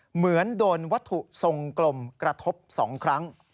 เหมือนโดนวัตถุทรงกลมกระทบ๒ครั้ง